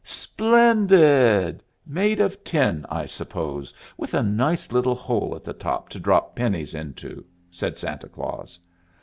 "Splendid! Made of tin, I suppose, with a nice little hole at the top to drop pennies into?" said Santa Claus.